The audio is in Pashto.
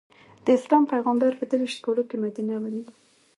د اسلام پېغمبر په درویشت کالو کې مدینه ونیو.